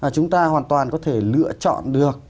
chúng ta hoàn toàn có thể lựa chọn được